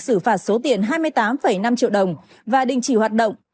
xử phạt số tiền hai mươi tám năm triệu đồng và đình chỉ hoạt động